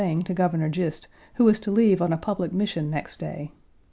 Page 154 Governor Gist, who was to leave on a public mission next day.